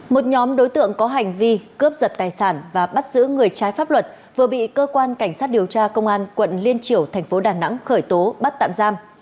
một nhóm đối tượng có hành vi cướp giật tài sản và bắt giữ người trái pháp luật vừa bị cơ quan cảnh sát điều tra công an quận liên triểu thành phố đà nẵng khởi tố bắt tạm giam